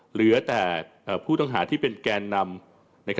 เหลือแต่ผู้ต้องหาที่เป็นแกนนำ